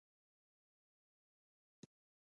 بلخ د مولانا ټاټوبی دی